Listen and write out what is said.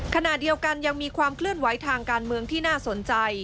ขณะเดียวกันยังมีความเคลื่อนไหวทางการเมืองที่น่าสนใจ